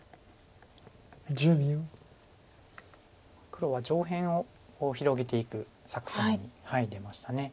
黒は上辺を広げていく作戦に出ました。